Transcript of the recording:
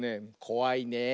こわいねえ。